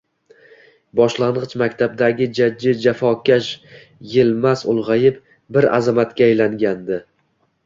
Boshlang'ich makgabdagi jajji jafokash Yilmaz ulg'ayib, bir azamatga aylangandi.